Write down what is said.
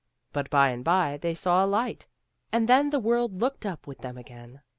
But by and by they saw a light, and then the world looked up with them again.